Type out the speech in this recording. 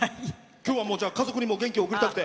きょうは家族にも元気を送りたくて。